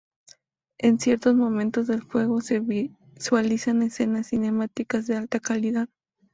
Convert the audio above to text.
En ciertos momentos del juego se visualizan escenas cinemáticas de alta calidad.